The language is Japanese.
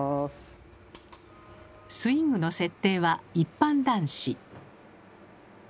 スイングの設定は一般男子。